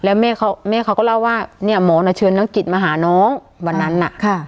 แล้วแม่เขาแม่เขาก็เล่าว่าเนี่ยหมอน่ะเชิญนักกิจมาหาน้องวันนั้นน่ะค่ะ